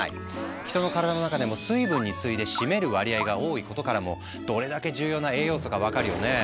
人の体の中でも水分に次いで占める割合が多いことからもどれだけ重要な栄養素か分かるよね。